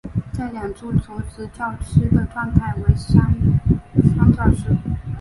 在两处同时叫吃的状态为双叫吃。